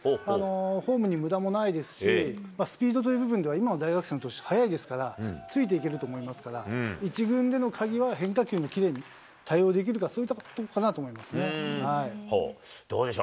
フォームにむだもないですし、スピードという部分では、今の大学生は早いですから、ついていけると思いますから、１軍での鍵は変化球にきれいに対応できるか、そういうことかなとどうでしょう？